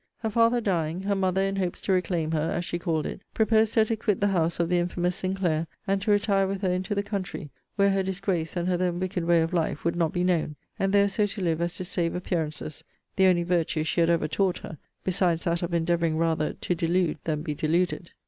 Her father dying, her mother, in hopes to reclaim her, as she called it, proposed her to quit the house of the infamous Sinclair, and to retire with her into the country, where her disgrace, and her then wicked way of life, would not be known; and there so to live as to save appearances; the only virtue she had ever taught her; besides that of endeavouring rather to delude than be deluded.